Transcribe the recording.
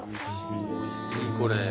おいしいこれ。